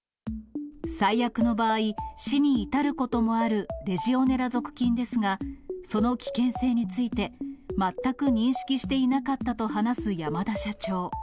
最悪の場合、死に至ることもあるレジオネラ属菌ですが、その危険性について、全く認識していなかったと話す山田社長。